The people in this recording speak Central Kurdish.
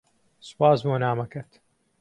سوپاس بۆ نامەکەت.